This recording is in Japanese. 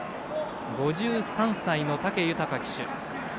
５３歳の武豊騎手。